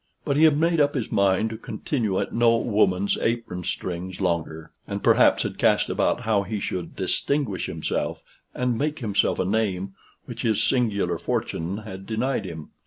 But he had made up his mind to continue at no woman's apron strings longer; and perhaps had cast about how he should distinguish himself, and make himself a name, which his singular fortune had denied him.